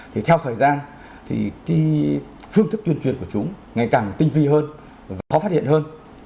thì theo thời gian thì cái phương thức tuyên truyền của chúng ngày càng tinh vi hơn khó phát hiện hơn